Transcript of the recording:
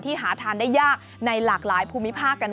หาทานได้ยากในหลากหลายภูมิภาคกัน